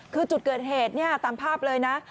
คือจุดเกิดเหตุเนี่ยตามภาพเลยนะ